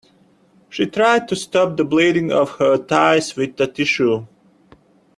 She tried to stop the bleeding of her thighs with a tissue.